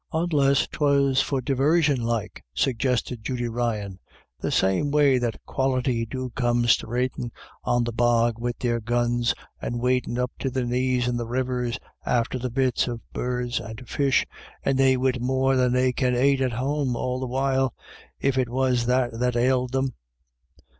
" Onless 'twas for divarsion like," suggested Judy Ryan, "the same way that Quality do come sthravadin' on the bog wid their guns, and wadin' up to their knees in the rivers, after the bits of birds and fish, and they wid more than they can ait at home all the while, if it was that that ailed them."